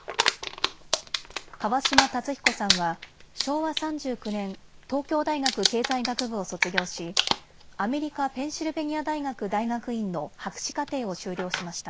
川嶋辰彦さんは昭和３９年、東京大学経済学部を卒業しアメリカ・ペンシルベニア大学大学院の博士課程を修了しました。